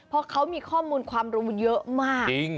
เพราะเขามีข้อมูลความรู้เยอะมากจริง